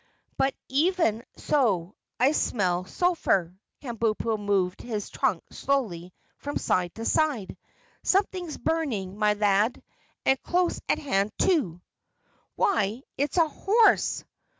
"But even so, I smell sulphur!" Kabumpo moved his trunk slowly from side to side. "Something's burning, my lad, and close at hand, too." "Why, it's a HORSE!"